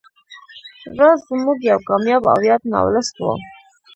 راز زموږ یو کامیاب او یاد ناولسټ و